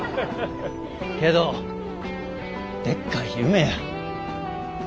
けどでっかい夢や！